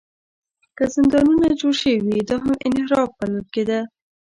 که زندانونه جوړ شوي وي، دا هم انحراف بلل کېده.